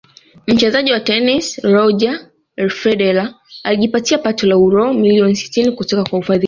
mchezaji wa tenisi Roger Federer alijipatia pato la uro milioni tisini kutoka kwa ufadhili